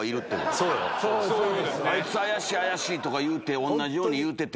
あいつ怪しい怪しい！とか同じように言うてて。